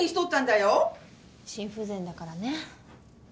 心不全だからね。